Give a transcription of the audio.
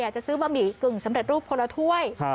จะซื้อบะหมี่กึ่งสำเร็จรูปคนละถ้วย